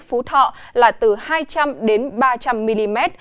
phú thọ là từ hai trăm linh đến ba trăm linh mm